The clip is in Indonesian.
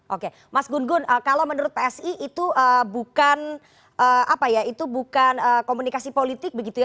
oke mas gun gun kalau menurut psi itu bukan komunikasi politik begitu ya